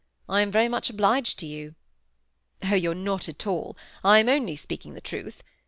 I am very much obliged to you." "Oh, you're not at all. I am only speaking the truth.